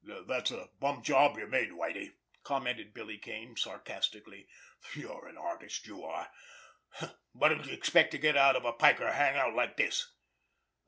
"That's a bum job you made, Whitie!" commented Billy Kane sarcastically. "You're an artist, you are! What did you expect to get out of a piker hang out like this?"